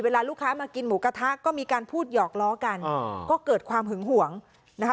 เวลาลูกค้ามากินหมูกระทะก็มีการพูดหยอกล้อกันก็เกิดความหึงห่วงนะคะ